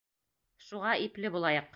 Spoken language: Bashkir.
Шуға ипле булайыҡ.